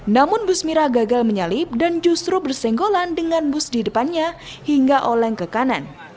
namun bus mira gagal menyalip dan justru bersenggolan dengan bus di depannya hingga oleng ke kanan